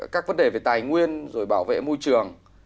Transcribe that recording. các vấn đề về tài nguyên rồi bảo vệ môi trường